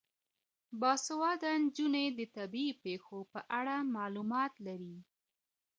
باسواده نجونې د طبیعي پیښو په اړه معلومات لري.